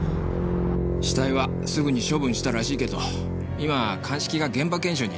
死体はすぐに処分したらしいけど今鑑識が現場検証に行ってるから。